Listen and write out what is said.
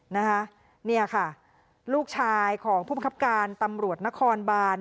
นี่ค่ะลูกชายของผู้มันคับการตำรวจนครบาน